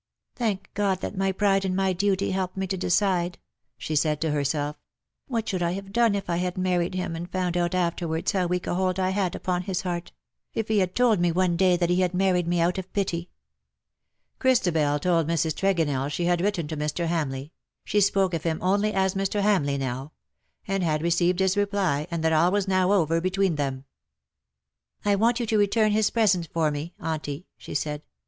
'' Thank God that my pride and my duty helped me to decide/'' she said to herself :'' what should I have done if I had married him and found out afterwards how weak a hold I had upon his heart — if he had told me one day that he had married me out of pity/'' Christabel told Mrs. Tregonell she had written to Mr, Hamleigh — she spoke of him only as Mr. Hamleigh now — and had received his reply, and that all was now over between them. " I want you to return his presents for me, Auntie/' she said.